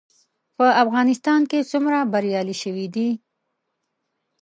په افغانستان کې څومره بریالي شوي دي؟